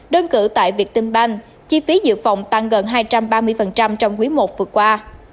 đơn cử tại việt tinh banh chi phí dự phòng tăng gần hai trăm ba mươi trong quý i vừa qua